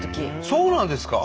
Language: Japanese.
そうなんですか？